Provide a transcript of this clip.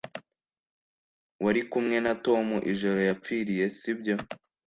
Wari kumwe na Tom ijoro yapfiriye si byo